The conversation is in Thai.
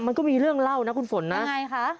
มันก็มีเรื่องเล่านะคุณฝนนะยังไงคะ